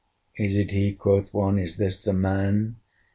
"Is it he?" quoth one, "Is this the man?